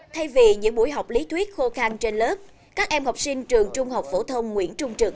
thay vì những buổi học lý thuyết khô khăn trên lớp các em học sinh trường trung học phổ thông nguyễn trung trực